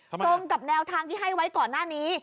ตรงกับแนวทางที่ให้ไว้ก่อนหน้านี้